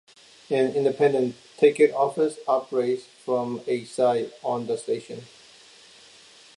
An independent ticket office operates from a site on the station.